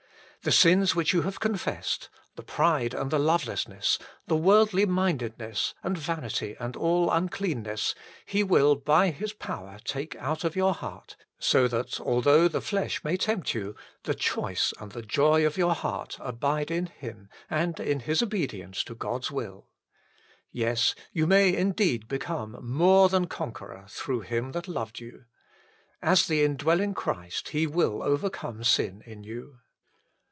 The sins which you have confessed, the pride and the lovelessness, the worldly mindedness 160 THE FULL BLESSING OF PENTECOST and vanity and all uncleanness, He will by His power take out of your heart ; so that, although the flesh may tempt you, the choice and the joy of your heart abide in Him and in His obedience to God s will. Yes : you may indeed become " more than conqueror" through Him that loved you. 1 As the indwelling Christ, He will overcome sin in you.